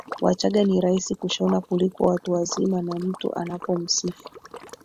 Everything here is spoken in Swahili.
wachanga ni rahisi kushona kuliko watu wazima na mtu anapomsifu